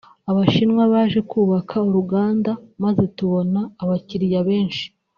Abashinwa baje kubaka uruganda maze tubona abakiliya benshi